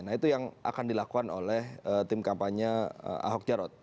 nah itu yang akan dilakukan oleh tim kampanye ahok jarot